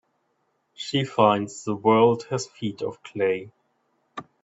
She finds the world has feet of clay.